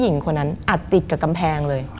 มันกลายเป็นรูปของคนที่กำลังขโมยคิ้วแล้วก็ร้องไห้อยู่